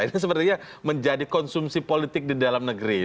ini sepertinya menjadi konsumsi politik di dalam negeri